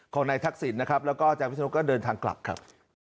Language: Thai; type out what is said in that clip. ของนายทักษิณนะครับแล้วก็อาจารย์วิศนุก็เดินทางกลับครับ